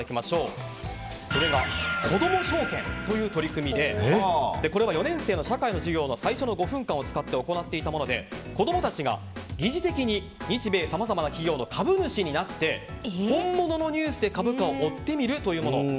それが子ども証券という取り組みでこれは４年生の社会の授業の最初の５分間を使って行っておたもので子供たちが疑似的に日米さまざまな企業の株主になって、本物のニュースで株価を追ってみるというもの。